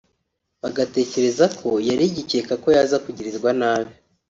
bagatekereza ko yari igikeka ko yaza kugirirwa nabi